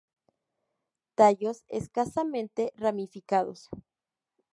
Tallos escasamente ramificados.